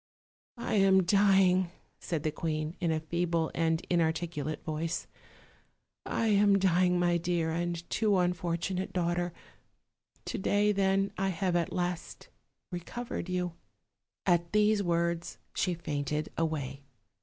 "I am dying," said the queen, in a feeble and inartic ulate voice; "I am dying, my dear and too unfortunate daughter; to day, then, I have at last recovered you." At these words she fainted away.